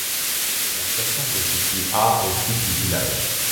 La station se situe à au sud du village.